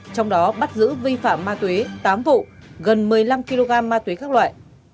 trong đó bắt giữ vi phạm ma tuyến tám vụ gần một mươi năm kg ma tuyến các loại